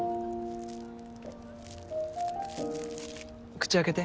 口開けて。